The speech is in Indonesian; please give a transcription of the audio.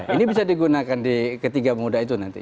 ini bisa digunakan di ketiga muda itu nanti